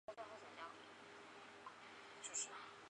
只有经男女双方的自由和完全的同意,才能缔婚。